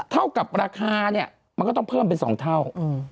เท่ากับราคาเนี่ยมันก็ต้องเพิ่มเป็น๒เท่า